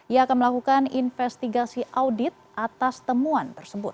ia akan melakukan investigasi audit atas temuan tersebut